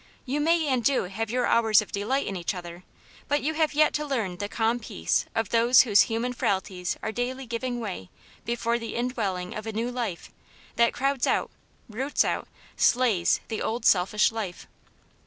You may and do have your hours of delight in each other, but you have yet to learn the calm peace of those whose human frailties are daily giving way before the indwelling of a new life, that crowds out, roots out, slays the old selfish life.